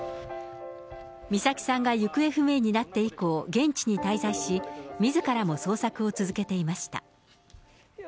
美咲さんが行方不明になって以降、現地に滞在し、みずからも捜索を続けていました。